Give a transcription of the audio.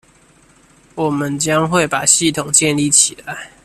我們將會把系統建立起來